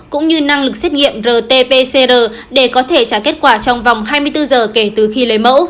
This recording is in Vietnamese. cũng như năng lực xét nghiệm rt pcr để có thể trả kết quả trong vòng hai mươi bốn giờ kể từ khi lấy mẫu